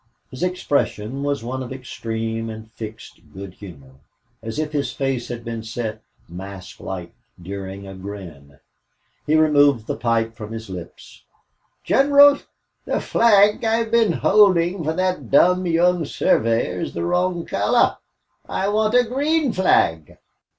His expression was one of extreme and fixed good humor, as if his face had been set, mask like, during a grin. He removed the pipe from his lips. "Gineral, the flag I've been holdin' fer thot dom' young surveyor is the wrong color. I want a green flag."